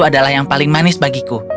adalah yang paling manis bagiku